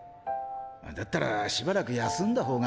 だったらしばらく休んだほうが。